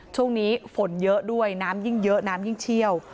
ช่วงนี้ฝนเยอะด้วยน้ำยิ่งเยอะน้ำยิ่งเชี่ยว